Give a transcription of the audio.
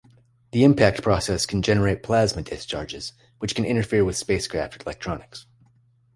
The impact process can generate plasma discharges, which can interfere with spacecraft electronics.